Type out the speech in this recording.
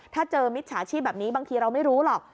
ถ้าเจอมิจฉาชีพแบบนี้บางทีเราไม่รู้หรอก